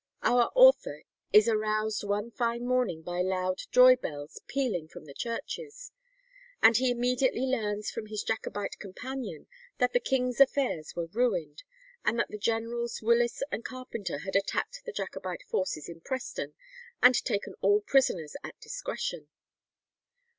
Our author is aroused one fine morning by loud joy bells pealing from the churches, and he immediately learns from his Jacobite companion that the "king's affairs were ruined, and that the generals Willis and Carpenter had attacked the Jacobite forces in Preston, and taken all prisoners at discretion."